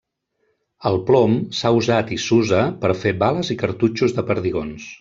El plom s'ha usat i s’usa per fer bales i cartutxos de perdigons.